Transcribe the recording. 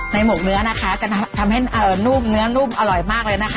หมกเนื้อนะคะจะทำให้นุ่มเนื้อนุ่มอร่อยมากเลยนะคะ